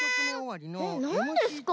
えっなんですか？